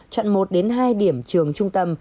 có hai điểm trường trung tâm